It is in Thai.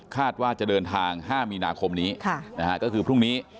คาดว่าจะเดินทางห้ามีนาคมนี้ค่ะนะฮะก็คือพรุ่งนี้